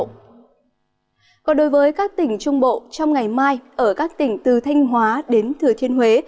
còn đối với các tỉnh trung bộ trong ngày mai ở các tỉnh từ thanh hóa đến thừa thiên huế